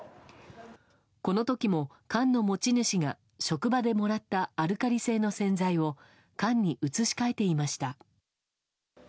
この時も、缶の持ち主が職場でもらったアルカリ性の洗剤を缶に移し替えていました。